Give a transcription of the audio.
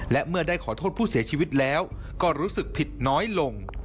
และเมื่อได้ขอโทษผู้เสียชีวิตแล้วก็รู้สึกผิดน้อยลง